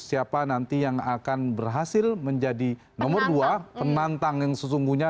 siapa nanti yang akan berhasil menjadi nomor dua penantang yang sesungguhnya